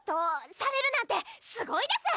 されるなんてすごいです！